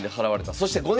そして５年後。